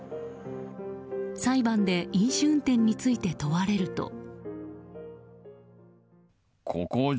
裁判で飲酒運転について問われると。